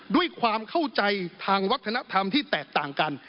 ด้วยความเข้าใจทางวัฒนธรรมที่แตกต่างกัน